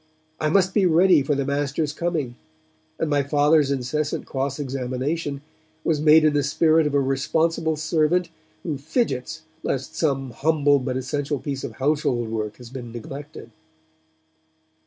I must be ready for the Master's coming; and my Father's incessant cross examination was made in the spirit of a responsible servant who fidgets lest some humble but essential piece of household work has been neglected.